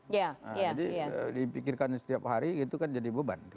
jadi dipikirkan setiap hari itu kan jadi beban